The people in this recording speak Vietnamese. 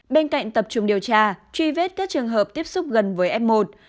bên cạnh tập trung điều tra truy vết các trường hợp tiếp xúc gần với f một